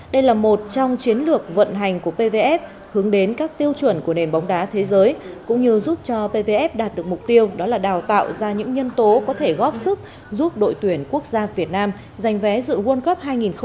đây là một trong chiến lược vận hành của pvf hướng đến các tiêu chuẩn của nền bóng đá thế giới cũng như giúp cho pvf đạt được mục tiêu đó là đào tạo ra những nhân tố có thể góp sức giúp đội tuyển quốc gia việt nam giành vé dự world cup hai nghìn hai mươi